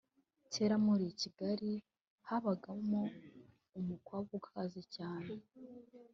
Kera muri Kigali habagamo umukwabu ukaze cyane